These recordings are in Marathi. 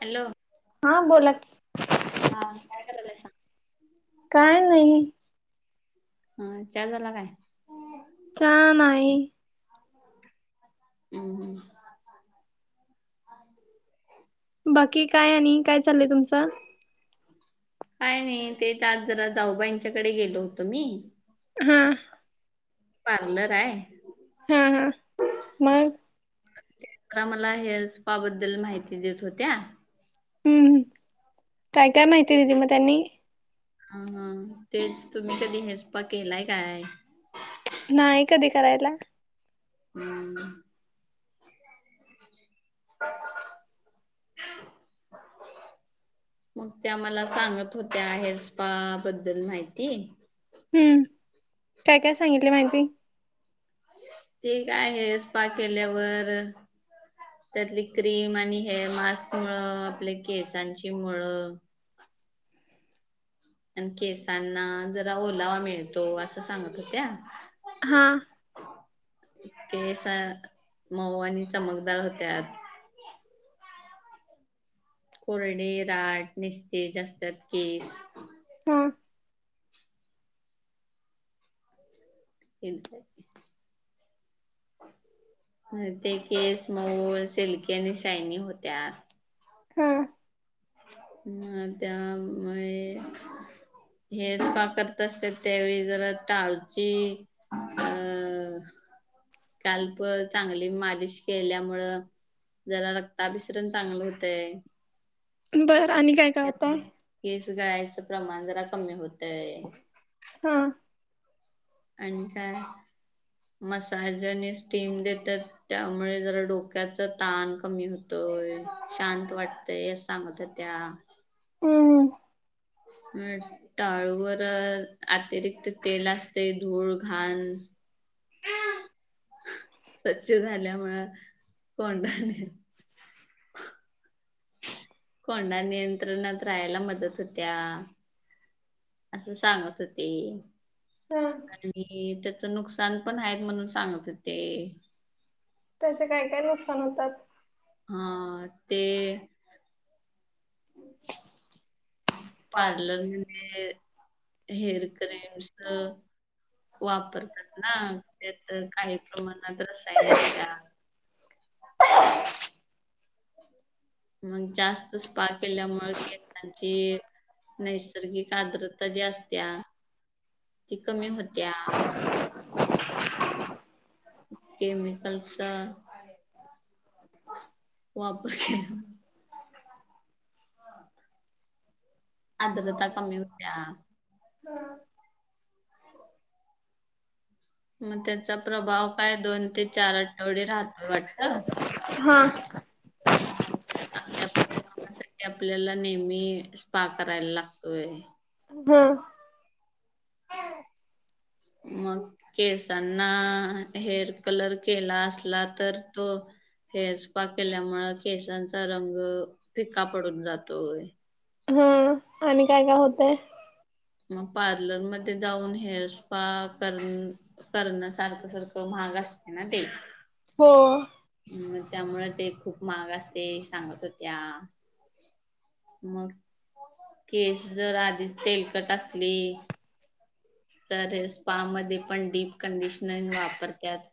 हॅलो हा बोला की. हा काय करायलासा काय नाही. हा चा झाला काय? छान आहे. अं हं. बाकी काय आणि काय चाललंय तुमचं? काय नाही, तेच तर आज जरा जाऊबाईंच्याकडे गेलो होतो मी. हम्म. पार्लर हाय. हा हा मग? तर त्या मला हेअर स्पा बद्दल माहिती देत होत्या. हम्म हम्म, काय काय माहिती दिली मग त्यांनी? हा हा तेच, तुम्ही कधी हेअर स्पा केलाय काय? नाही कधी करायला. हां. मग त्या आम्हाला सांगत होत्या, हेर स्पा बद्दल माहिती. हम्म, काय काय सांगितले माहिती हाय. तेही काय हेअर स्पा केल्यावर त्यातली क्रीम आणि हेअर मास्कमुळं आपल्या केसांची मुळ आणि केसांना जरा ओलावा मिळतो, असं सांगत होत्या. हा. केसा मऊ आणि चमकदार होत्यात. कोरडी, रहाट, निस्तेज असतात केस. हा. [unintelligible] म ते केस मऊ सिल्की आणि शायनी होत्यात. हं. हां त्यामुळे हे जर स्पा करत असत्यात, त्यावेळी जरा टाळची काल्प चांगली मालिश केल्यामुळं जरा रक्ताभिसरण चांगलं होतंय. बरं आणि काय? काय होतय त्यातनं केस जळायचं प्रमाण जरा कमी होतंय. हम्म. आणि काय मसाज आणि स्टीम देत्यात. त्यामुळे जरा डोक्याच ताण कमी होतोय, शांत वाटतंय असं सांगत हो त्या हम्म हम्म. [unintelligible] टाळूवर अतिरिक्त तेल असतंय. धूळ, घाण स्वच्छ झाल्यामुळं, कोंडा आणि फंडा नियंत्रणात राहायला मदत होत्या. असं सांगत होती हा आणि ती त्यात चं नुकसान पण आहेत म्हणून सांगत होते. त्यातनं काय काय नुकसान होतात? हा ते पार्लर म ते हेअर [unintelligible] वापरतात ना, त्यात काही प्रमाणात रसायने असत्यात. [inaudible] मग जास्त स्पा केल्यामुळे केसांचे नैसर्गिक आद्रता ज्या असत्या. ती कमी होत्या. केमिकलचा वापर केला [unintelligible] मग त्याचा प्रभाव काय दोन ते चार आठवडे राहतं वाटतं. हा [inaudible] आपापल्या कामासाठीआपल्याला नेहमी स्पा करायला लागतोय. हम्म मग केसांना हेअर कलर केला असला तर तो हेअर स्पा केल्यामुळे केसांचा रंग फिका पडून जातो. हम आणि काय काय होतंय? मग पार्लरमध्ये जाऊन हेअर स्पा करून करणं सारखं सारखं महाग असत ना ते. हो त्यामुळे तेखूप महाग असते सांगत होत्या. मग केस जर आधीच तेलकट असली तर स्पा मध्ये पण डीप कंडिशनर वापर त्यात.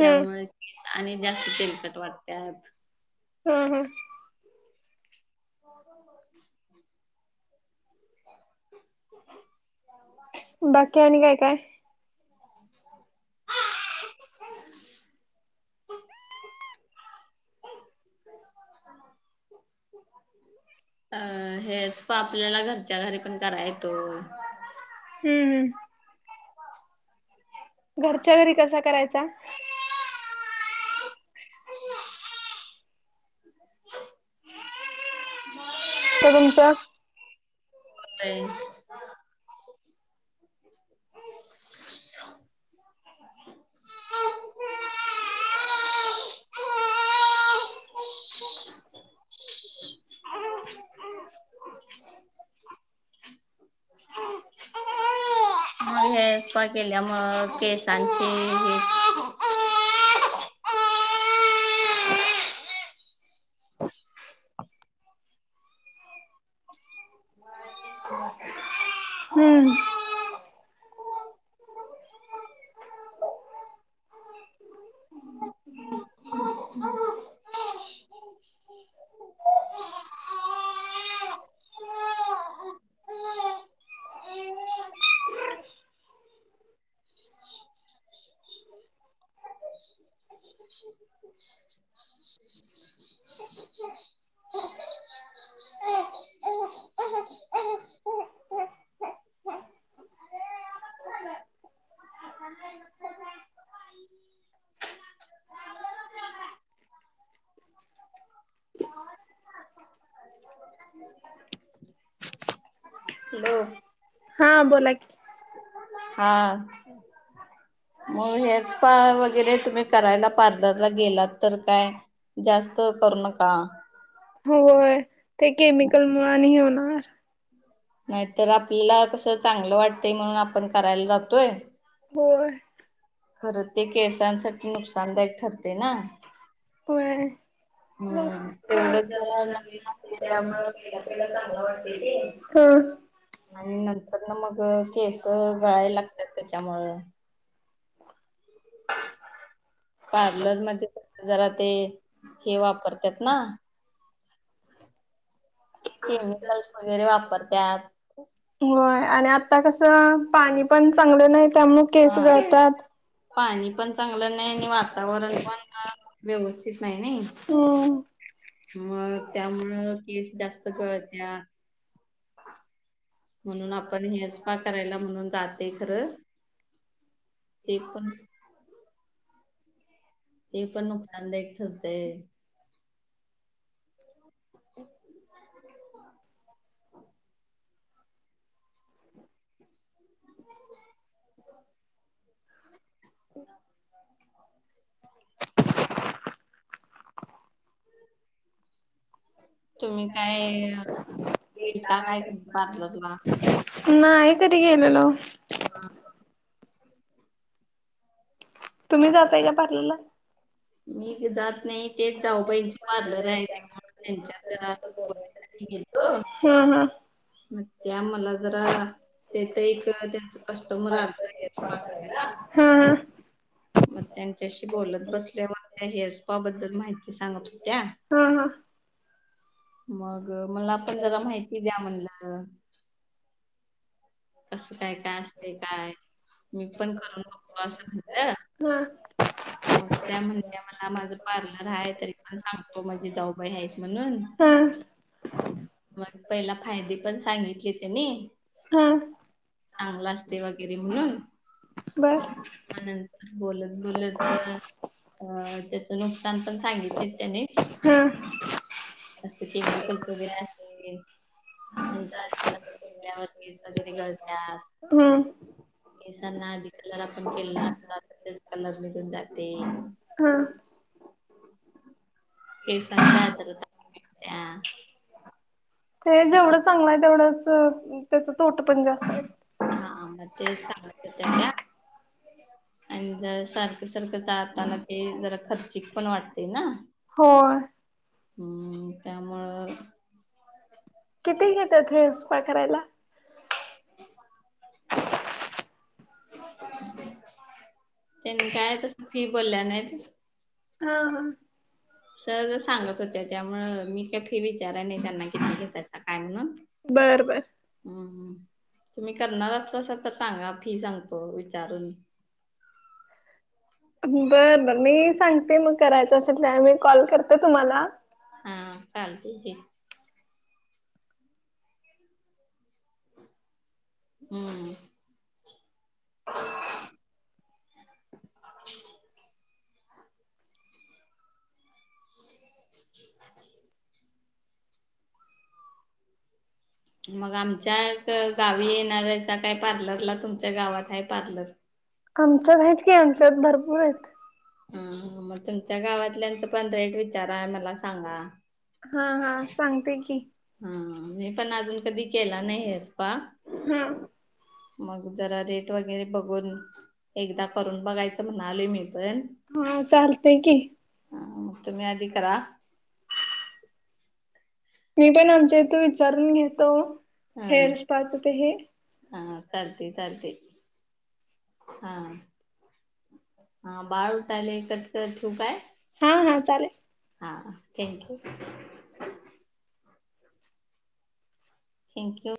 ह केस आणि जास्त तेलकट वाट त्यात. हा हा [inaudible] [inaudible] बाकी आणि काय काय? [inaudible] [inaudible] अ हेअर स्पा आपल्याला घरच्या घरी पण करा येतो. हम्म हम्म घरच्या घरी कसा करायचा. [inaudible] तो तुमचं होतोय. [unintelligible] मग हेअर स्पा केल्यामुळे केसांचे हे हम हॅलो हा बोला की. हा मग हेअर स्पा वगैरे तुम्ही करायला पार्लरला गेलात तर काय? जास्त करू नका. होय ते केमिकल मुळ आणि होणार. नाहीतर आपल्याला कसं चांगलं वाटतंय म्हणून आपण करायला जातोय. होय. खरं ते केसांसाठी नुकसानदायक ठरते ना! होय हम्म तेवढंच जरा लागते त्यामुळं [unintelligible] [inaudible] हा आणि नंतर ना मग केस गळाय लागतात त्याच्यामुंळ. पार्लर मध्ये जरा ते हे वापरतात ना! केमिकल्स वगैरे वापरत्यात. होय आणि आता कस पाणी पण चांगलं नाही त्यामुळे केस हा गळत्यात. पाणी पण चांगलं नाही आणि वातावरण पण व्यवस्थित नाही नाही, हम्म मग त्यामुळं केस जास्त गळत्यात. म्हणून आपण हेअरस्पाकरायला म्हणून जाते खरं ते पण. ते पण नुकसानदाक ठरतय [inaudible] [inaudible] तुम्ही काय? येता कधी काय पार्लरला. नाही कधी गेलेलो. हा. तुम्ही जाताय का पार्लरला? मी जात नाही तेच जाऊबाईंच पार्लर आहे. ते [unintelligible] त्यांच्यात जरा [unintelligible] हो. हा हा. त्या मला जरा ते तर एक त्यांच कस्टमर आलंत हेअर स्पा करायला. हा हा. मग त्यांच्याशी बोलत बसल्यावर त्या हेअर स्पा बद्दल माहिती सांगत होत्या. हा हा. मग मला पण जरा माहिती द्या म्हणलं. कसं काय काय असतंय काय मी पण करून बघतो असं हा म्हटलं मग त्या म्हणत्या मला माझं पार्लर आहे, तरी पण सांगतो माझी जाऊबाई आहेस म्हणून. ह. मग, पहिला फायदे पण सांगितले त्यांनी. हा. चांगलं असतंय वगैरे म्हणून. बर. नंतर बोलत बोलत जर अ त्याचे नुकसान पण सांगितलेत त्यांनी. हा. असं केमिकलच वगैरे अस केस [unintelligible] वगैरे सगळे गळ्यात. हम्म. केसांना आधी कलर आपण केलेला अस तेच कलर निघून जाते. हा. केसांच्या [unintelligible] त्या ते जेवढं चांगलं आहे तेवढंच, त्याच तोट पण जास्त आहे. हा मग तेच सांगत होत्या त्या. आणि जर सारखं, सारखं जाताना ते जरा खर्चिक पण वाटतय ना. होय. हम्म. त्यामुळं किती घेत्यात हेअर स्पा करायला? [inaudible] त्यांनी काय तसं फी बोलल्या नाहीत. हा हा. सहजच सांगत होत्या त्यामुळं मी काय फी विच विचारा आणि त्यांना किती घेतात काय म्हणून. बर बर. हम्म तुम्ही करणार असलासा तर सांगा फी सांगतो विचारून. बरं बरं मी सांगते मग करायचं असेल त्यावेळी कॉल करते तुम्हाला. हा चालतय की. हम्म. मग आमच्या गावी येणाऱ्यासा काय? पार्लरला तुमच्या गावात आहे पार्लर? [inaudible] आमच्यात आहेत की, आमच्यात भरपूर आहेत. हम्म. मग तुमच्या गावातल्याचं पण रेट विचारा मला सांगा. हा. हा. सांगते की, हा मी पण अजून कधी केला नाही हेअर स्पा. हा. मग, जरा रेट वगैरे बघून. एकदा करून बघायचं म्हणालोय मी पण. हा चालतय की. हा मग तुम्ही आधी करा. मी पण आमच्या इथे विचारून घेतो. हं हेअर स्पाच ते हे हा. हा. चालतय, चालतंय. हा बाळ उठालय. कट कर ठेवू काय? हा, हा थँक्यू. थँक्यू.